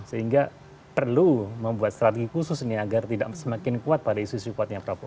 sehingga perlu membuat strategi khusus ini agar tidak semakin kuat pada isu isu kuatnya prabowo